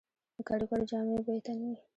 د کاریګرو جامې به یې تن وې